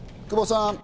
久保さん。